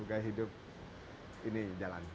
gaya hidup ini jalan